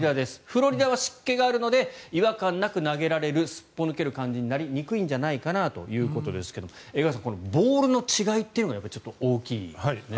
フロリダは湿気があるので違和感なく投げられるすっぽ抜ける感じになりにくいんじゃないかなということですが江川さん、ボールの違いっていうのが大きいんですね。